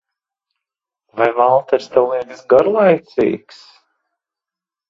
Vai Valters tev liekas garlaicīgs?